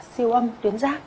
siêu âm tuyến giáp